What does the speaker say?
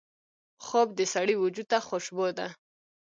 خوب د سړي وجود ته خوشبو ده